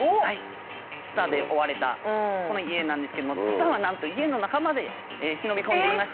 ツタで覆われたこの家なんですけどもツタはなんと家の中まで忍び込んでおりました。